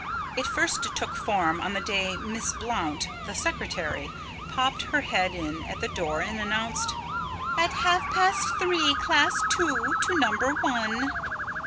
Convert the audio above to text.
It first took form on the day Miss Blount, the secretary, popped her head in at the door and announced: "At half past three, Class Two to Number One."